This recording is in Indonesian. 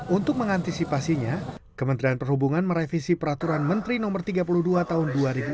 untuk mengantisipasinya kementerian perhubungan merevisi peraturan menteri no tiga puluh dua tahun dua ribu enam belas